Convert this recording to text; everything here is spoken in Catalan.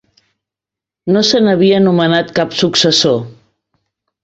No se n'havia nomenat cap successor.